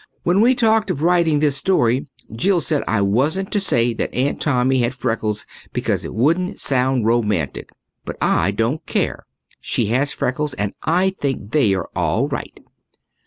When we talked of writing this story Jill said I wasn't to say that Aunt Tommy had freckles because it wouldn't sound romantic. But I don't care. She has freckles and I think they are all right.